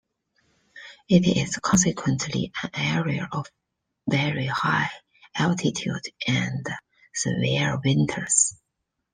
It is consequently an area of very high altitude and severe winters.